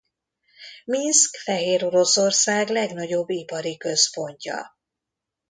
Minszk Fehéroroszország legnagyobb ipari központja.